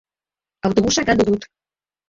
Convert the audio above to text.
Autobusa galdu dut!